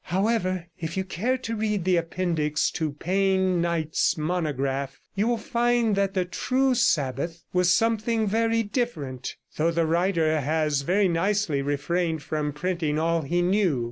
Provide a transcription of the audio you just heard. However, if you care to read the appendix to Payne Knight's monograph, you will find that the true Sabbath was something very different, though the writer has very nicely refrained from printing all he knew.